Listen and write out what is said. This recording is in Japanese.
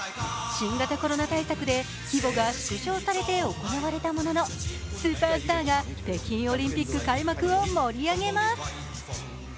新型コロナ対策で規模が縮小されて行われたもののスーパースターが北京オリンピック開幕を盛り上げます。